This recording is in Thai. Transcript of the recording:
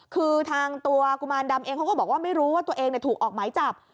คือทางตัวกุมารดำเองเขาก็บอกว่าไม่รู้ว่าตัวเองถูกออกหมายจับ